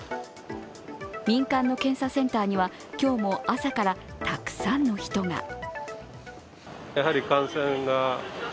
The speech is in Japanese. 民間の検査センターには今日も朝からたくさんの人が。